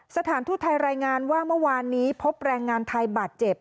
สถานทูตไทยรายงานว่าเมื่อวานนี้พบแรงงานไทยบาดเจ็บ